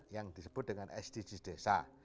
yang disebut dengan sdgs desa